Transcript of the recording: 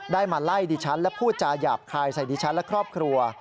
มาไล่ดิฉันและพูดจาหยาบคายใส่ดิฉันและครอบครัว